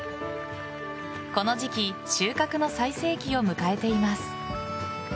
この時期収穫の最盛期を迎えています。